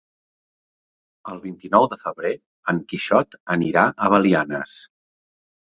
El vint-i-nou de febrer en Quixot anirà a Belianes.